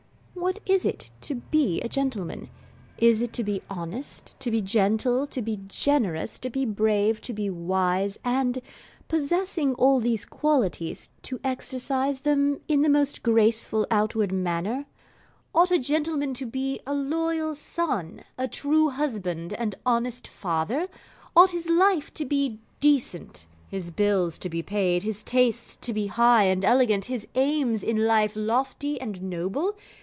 What is it to be a gentleman? Is it to be honest, to be gentle, to be generous, to be brave, to be wise, and, possessing all these qualities, to exercise them in the most graceful outward manner? Ought a gentleman to be a loyal son, a true husband, and honest father? Ought his life to be decent his bills to be paid his tastes to be high and elegant his aims in life lofty and noble?